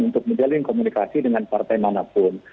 untuk menjalin komunikasi dengan partai manapun